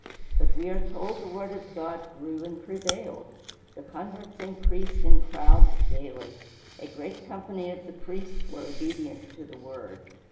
But we are told the word of God grew and prevailed, the converts increased in crowds daily, "a great company of the priests were obedient" to the word.